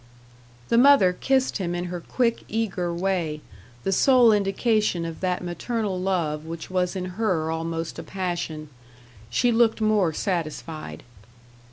The mother kissed him in her quick, eager way the sole indication of that maternal love which was in her almost a passion. She looked more satisfied.